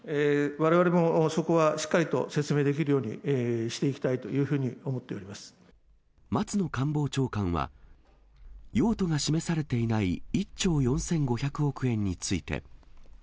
われわれもそこはしっかりと説明できるようにしていきたいと松野官房長官は、用途が示されていない１兆４５００億円について。